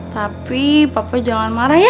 tapi papa jangan marah ya